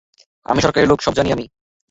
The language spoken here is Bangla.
আমি সরকারি লোক, সব জানি আমি।